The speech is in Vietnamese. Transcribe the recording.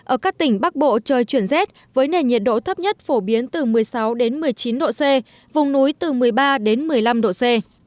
ở các tỉnh bắc bộ trời chuyển rét với nền nhiệt độ thấp nhất phổ biến từ một mươi sáu đến một mươi chín độ c vùng núi từ một mươi ba đến một mươi năm độ c